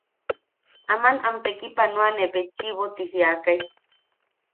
–“Aman am tekipanoane betchiʼibo.” ti jiakai.